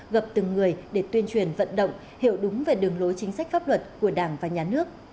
gặp từng người để tuyên truyền vận động hiểu đúng về đường lối chính sách pháp luật của đảng và nhà nước